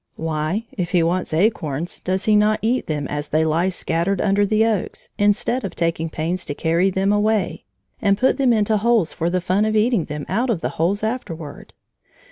Why, if he wants acorns, does he not eat them as they lie scattered under the oaks, instead of taking pains to carry them away and put them into holes for the fun of eating them out of the holes afterward?